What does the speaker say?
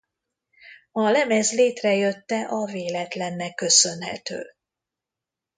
A lemez létrejötte a véletlennek köszönhető.